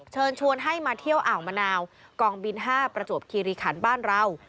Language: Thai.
เชิญชวนให้มาเที่ยวอ่าวมะนาวกองบิน๕ประจวบคีรีขันบ้านเรา